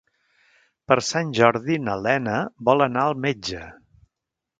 Per Sant Jordi na Lena vol anar al metge.